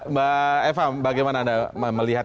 mbak eva bagaimana anda melihat